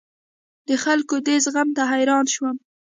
د خلکو دې زغم ته حیران شوم.